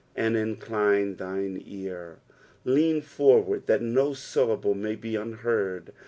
"And incline thiiie ear." Lean forward that oa syllable may be unheard.